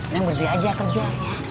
leng berhenti aja kerja